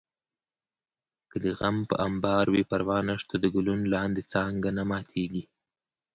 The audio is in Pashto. که دې غم په امبار وي پروا نشته د ګلونو لاندې څانګه نه ماتېږي